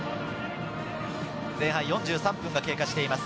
前半４３分が経過しています。